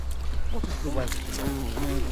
What is the weather tomorrow?